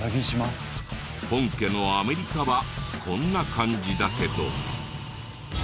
本家のアメリカはこんな感じだけど。